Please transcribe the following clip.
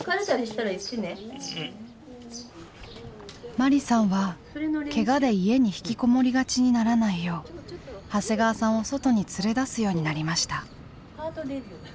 まりさんはけがで家に引きこもりがちにならないよう長谷川さんを外に連れ出すようになりました。